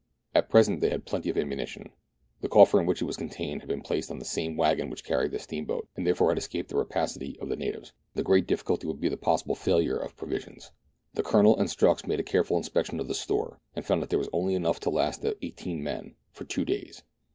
At present they had plenty of ammunition ; the coffer in which it was contained had been placed on the same waggon which carried the steam boat, and had therefore escaped the rapacity of the natives. The great difficulty would be thepossible failure of provisions. The Colonel and Strux made a careful inspection of the store, and found that there was only enough to last the eighteen men for two days.